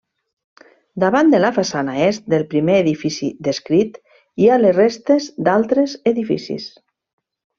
Davant de la façana est del primer edifici descrit, hi ha les restes d'altres edificis.